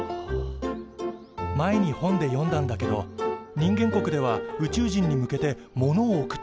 前に本で読んだんだけど人間国では宇宙人に向けて物を送ったこともあるんだって。